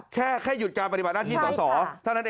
แค่หยุดการปฏิบัติหน้าที่สอสอ